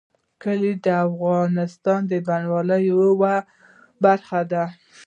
کلي د افغانستان د بڼوالۍ یوه برخه ده.